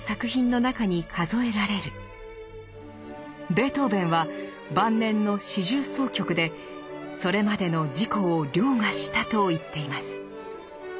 ベートーベンは晩年の四重奏曲で「それまでの自己を凌駕」したと言っています。